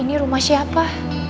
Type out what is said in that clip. ini rumah siapa